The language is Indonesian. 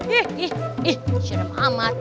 ih ih sirem amat